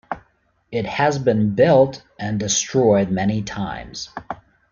It has been built and destroyed many times.